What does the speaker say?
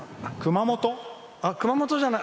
熊本！